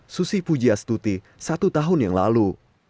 susi pujiastuti satu tahun yang lalu